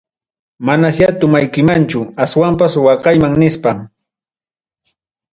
Manasya tumaykimanchú, aswampas waqayman nispa.